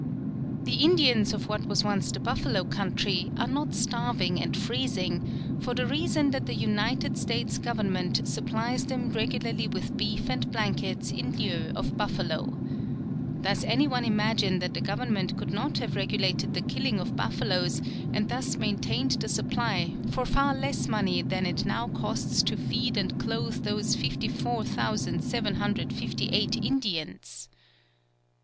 The Indians of what was once the buffalo country are not starving and freezing, for the reason that the United States Government supplies them regularly with beef and blankets in lieu of buffalo. Does any one imagine that the Government could not have regulated the killing of buffaloes, and thus maintained the supply, for far less money than it now costs to feed and clothe those 54,758 Indians!